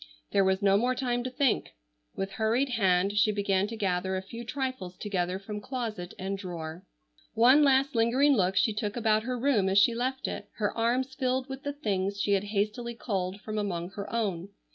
There was no more time to think. With hurried hand she began to gather a few trifles together from closet and drawer. One last lingering look she took about her room as she left it, her arms filled with the things she had hastily culled from among her own.